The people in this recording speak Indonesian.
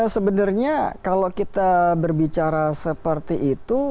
sebenarnya kalau kita berbicara seperti itu